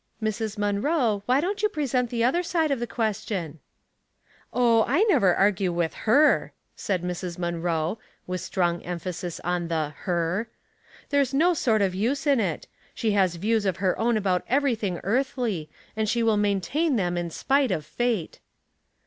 Mrs. Munroe, why don't you present the other side of the question ?"" Oh, I never argue with Aer," said Mrs, Munroe, with strong emphasis on the "her." There's no sort of use in it. She has views of her own about everything earthly, and sha will maintain them in spite of fate."